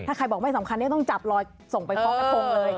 ถ้าใครบอกไม่สำคัญเนี่ยต้องจับลอยส่งไปฟ้องกระทงเลย